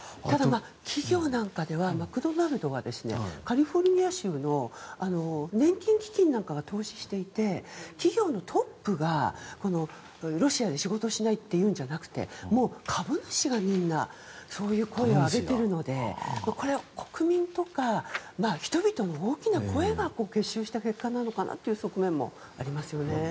ただ、企業なんかではマクドナルドはカリフォルニア州の年金基金なんかが投資していて、企業のトップがロシアで仕事をしないって言うんじゃなくてもう株主がみんなそういう声を上げているのでこれは国民とか人々の大きな声が結集した結果なのかなという側面もありますよね。